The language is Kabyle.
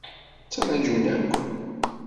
Ttṛajun akk.